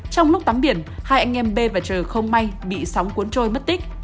trong lúc tắm biển hai anh em b và trời không may bị sóng cuốn trôi mất tích